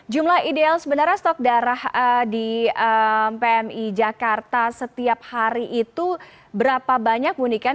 jumlah ideal sebenarnya stok darah di pmi jakarta setiap hari itu berapa banyak bu niken